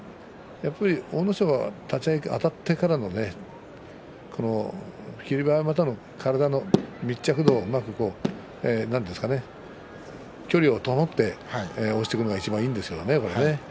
やっぱり阿武咲は立ち合いあたってから霧馬山との体の密着度何ていいますかね距離を保って押していくのがいちばんいいんですね。